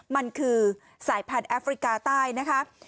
มันคือสายพันธุ์แอฟริกาใต้นะคะ